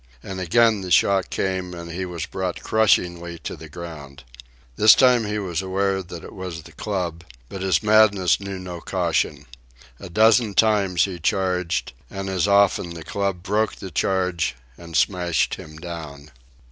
And again the shock came and he was brought crushingly to the ground. This time he was aware that it was the club, but his madness knew no caution. A dozen times he charged, and as often the club broke the charge and smashed him down.